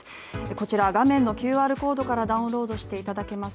こちら、画面のＱＲコードからダウンロードしていただけます